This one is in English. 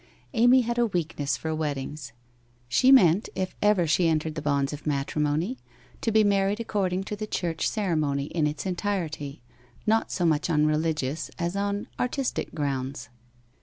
Amy had a weakness for weddings. She meant, if ever she entered the bonds of matrimony, to be married accord ing to the church ceremony in its entirely, not so much on religious as on artistic grounds.